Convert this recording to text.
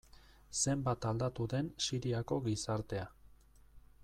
Zenbat aldatu den Siriako gizartea.